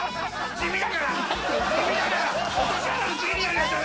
地味だから！